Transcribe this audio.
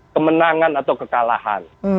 kemenangan atau kekalahan